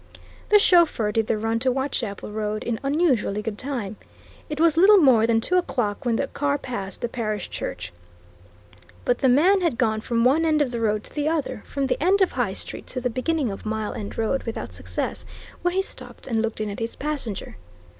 The chauffeur did the run to Whitechapel Road in unusually good time; it was little more than two o'clock when the car passed the parish church. But the man had gone from one end of the road to the other, from the end of High Street to the beginning of Mile End Road, without success, when he stopped and looked in at his passenger.